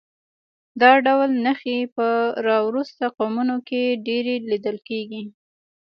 دا ډول نښې په راوروسته قومونو کې ډېرې لیدل کېږي